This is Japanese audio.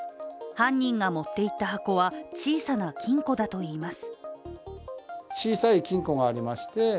犯人が持っていった箱は、小さな金庫だといいます。